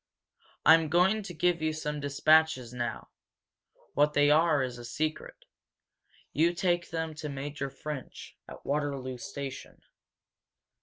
I am going to give you some dispatches now what they are is a secret. You take them to Major French, at Waterloo station."